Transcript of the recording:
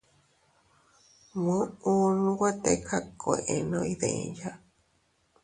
Muʼun nwe tika kuenno iydiya.